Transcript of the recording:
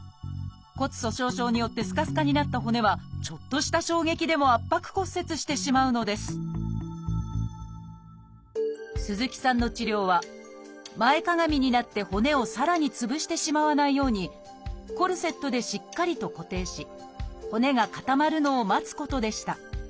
骨粗しょう症によってすかすかになった骨はちょっとした衝撃でも圧迫骨折してしまうのです鈴木さんの治療は前かがみになって骨をさらにつぶしてしまわないようにコルセットでしっかりと固定し骨が固まるのを待つことでした。